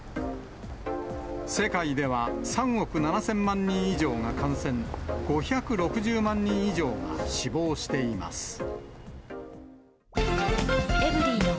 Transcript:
世界では３億７０００万人以上が感染、５６０万人以上が死亡しています。